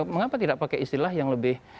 mengapa tidak pakai istilah yang lebih